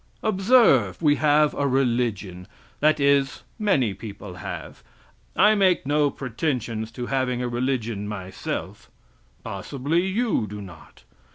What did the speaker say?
Observe, we have a religion that is, many people have. I make no pretensions to having a religion myself possibly you do not.